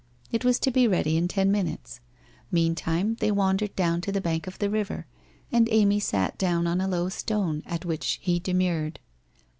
It was to be ready in ten minutes. Meantime they wandered down to the bank of the river, and Amy sat down on a low stone, at which he demurred.